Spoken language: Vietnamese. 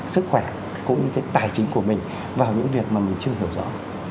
sức khỏe cũng như cái tài chính của mình vào những việc mà mình chưa hiểu rõ